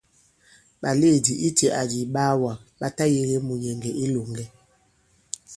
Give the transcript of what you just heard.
Ɓàlèedì itẽ adi ìɓaawàgà ɓa ta mùnyɛ̀ŋgɛ̀ i ilòŋgɛ.